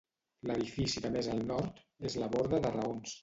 L'edifici de més al nord és la borda de Raons.